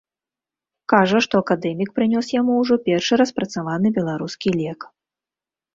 Кажа, што акадэмік прынёс яму ўжо першы распрацаваны беларускі лек.